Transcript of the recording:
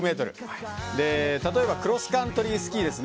例えばクロスカントリースキー。